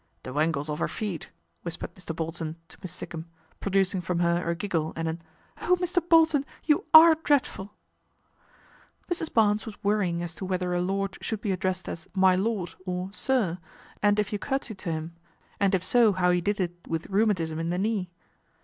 The Wangle's off her feed," whispered Mr. olton to Miss Sikkum, producing from her a jle and an " Oh ! Mr. Bolton, you are dread 1" Mrs. Barnes was worrying as to whether a lord lould be addressed as " my lord " or " sir," and you curtsied to him, and if so how you did it with leumatism in the knee.